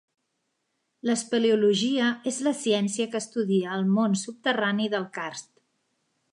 L'espeleologia és la ciència que estudia el món subterrani del carst.